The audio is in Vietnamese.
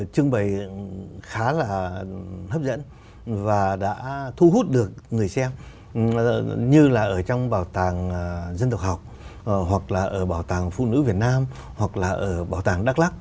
trưng bày khá là hấp dẫn và đã thu hút được người xem như là ở trong bảo tàng dân tộc học hoặc là ở bảo tàng phụ nữ việt nam hoặc là ở bảo tàng đắk lắc